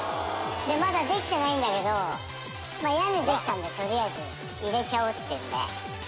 まだ出来てないんだけど屋根出来たんで取りあえず入れちゃおうっていうんで。